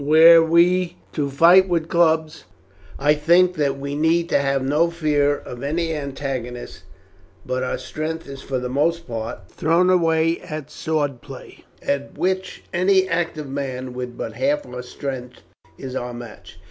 Were we to fight with clubs, I think that we need have no fear of any antagonists; but our strength is for the most part thrown away at sword play, at which any active man with but half our strength is our match.